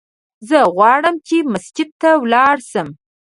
زه غواړم چې مسجد ته ولاړ سم!